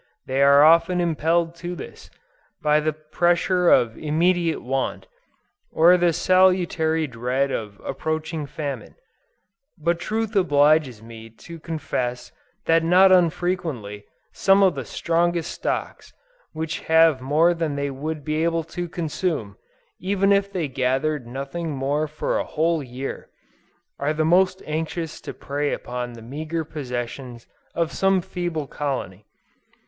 They are often impelled to this, by the pressure of immediate want, or the salutary dread of approaching famine: but truth obliges me to confess that not unfrequently some of the strongest stocks, which have more than they would be able to consume, even if they gathered nothing more for a whole year, are the most anxious to prey upon the meager possessions of some feeble colony.